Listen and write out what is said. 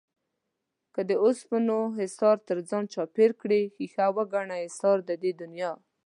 که د اوسپنو حِصار تر ځان چاپېر کړې ښيښه وگڼه حِصار د دې دنيا